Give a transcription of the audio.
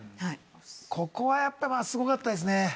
ここはやっぱすごかったですね。